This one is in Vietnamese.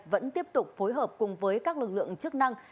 vẫn tiếp tục phối hợp cùng với các lực lượng chức năng